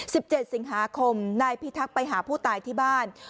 สิบเจ็ดสิงหาคมนายพิทักษ์ไปหาผู้ตายที่บ้าน